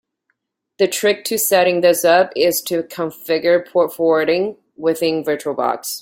The trick to setting this up is to configure port forwarding within Virtual Box.